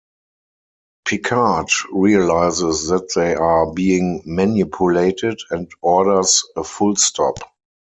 Picard realizes that they are being manipulated, and orders a full-stop.